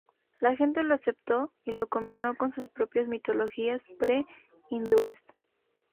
La gente lo aceptó y lo combinó con sus propias mitologías pre-hindúes.